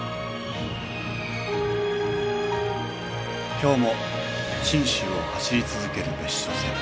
今日も信州を走り続ける別所線。